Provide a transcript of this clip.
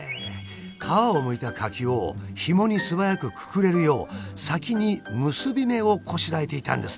皮をむいた柿をひもにすばやくくくれるよう先に結び目をこしらえていたんですね。